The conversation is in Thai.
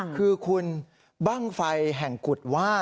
คือคุณบ้างไฟแห่งกุฎว่า